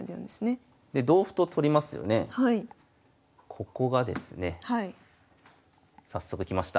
ここがですね早速きました。